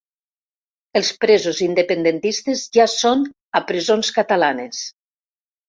Els presos independentistes ja són a presons catalanes.